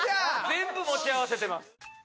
全部持ち合わせてます